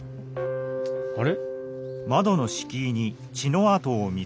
あれ？